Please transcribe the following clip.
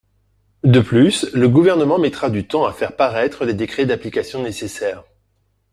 De plus, le Gouvernement mettra du temps à faire paraître les décrets d’application nécessaires.